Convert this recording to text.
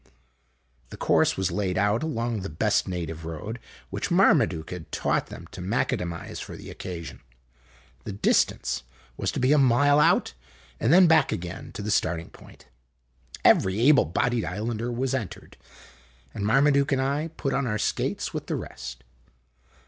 The course was laid out along the best native road, which Marmaduke had tauq ht them to macadamize for the occasion. The o distance was to be a mile out and then back a^ain to the starting <_> o point. Every able bodied islander was entered, and Marmaduke and I put on our skates with the rest.